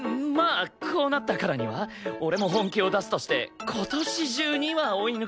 あこうなったからには俺も本気を出すとして今年中には追い抜くかな。